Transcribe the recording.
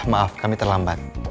maaf kami terlambat